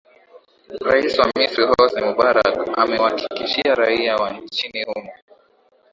rais wa misri hosni mubarak amewahakikishia raia wa nchini humo